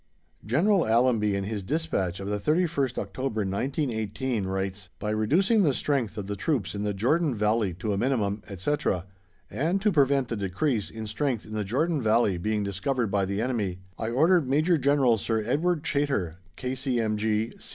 General Allenby in his despatch of the 31st October, 1918, writes: "By reducing the strength of the troops in the Jordan Valley to a minimum," etc., and "To prevent the decrease in strength in the Jordan Valley being discovered by the enemy I ordered Major General Sir Edward Chaytor, K.C.M.